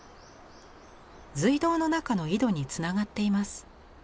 隧道の中の井戸につながっています。